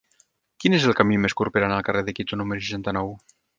Quin és el camí més curt per anar al carrer de Quito número seixanta-nou?